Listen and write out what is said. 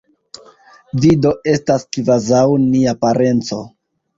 Vi do estas kvazaŭ nia parenco.